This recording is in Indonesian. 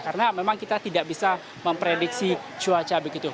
karena memang kita tidak bisa memprediksi cuaca begitu